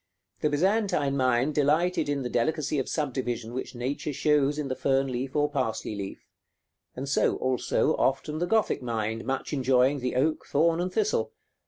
The Byzantine mind delighted in the delicacy of subdivision which nature shows in the fern leaf or parsley leaf; and so, also, often the Gothic mind, much enjoying the oak, thorn, and thistle.